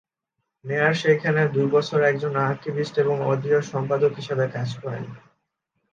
মেয়ার সেখানে দুই বছর একজন আর্কিভিস্ট এবং অডিও সম্পাদক হিসেবে কাজ করেন।